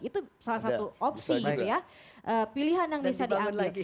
itu salah satu opsi pilihan yang bisa diambil